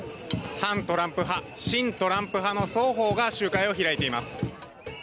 反トランプ派、親トランプ派の双方が集会を開いています。